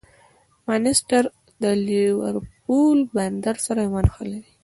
مانچسټر له لېورپول بندر سره ونښلوي.